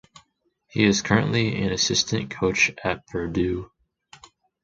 He is currently an assistant coach at Purdue.